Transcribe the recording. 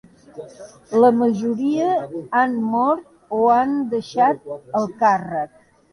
La majoria han mort o han deixat el càrrec.